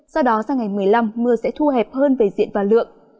sau đó sang ngày một mươi năm mưa sẽ thu hẹp hơn về diện và lượng